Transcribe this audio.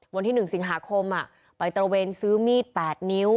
วันที่๑สิงหาคมไปตระเวนซื้อมีด๘นิ้ว